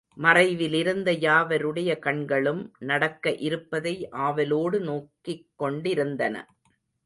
மறைவிலிருந்த யாவருடைய கண்களும் நடக்க இருப்பதை ஆவலோடு நோக்கிக் கொண்டிருந்தன.